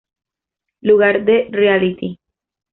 Lugar del Reality.